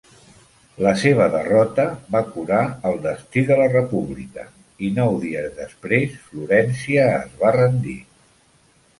La seva derrota va curar el destí de la República i, nou dies després, Florència es va rendir.